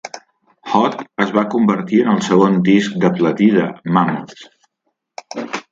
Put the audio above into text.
"Hot" es va convertir en el segon disc de platí de "Mammoth's".